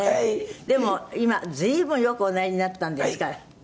でも今随分よくおなりになったんですから。